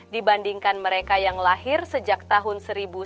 dibandingkan mereka yang lahir sejak tahun seribu sembilan ratus sembilan puluh